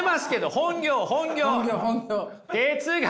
本業本業！